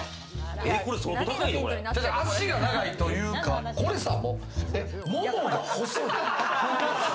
足が長いというか、これさ、ももが細い。